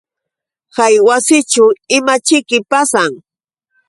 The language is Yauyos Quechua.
Hay wasićhu ¿imaćhiki pasan?